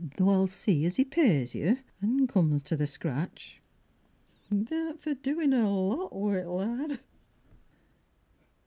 Though I'll see as 'e pays you, an' comes to the scratch. Tha'rt for doin' a lot wi' th' lad.